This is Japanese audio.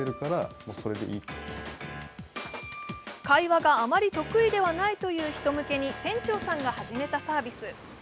会話があまり得意ではないという人向けに店長さんが始めたサービス。